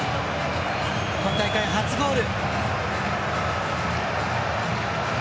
今大会、初ゴール。